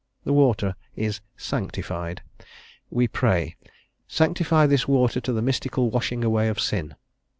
The water is "sanctified;" we pray: "Sanctify this water to the mystical washing away of sin."